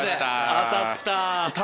当たった。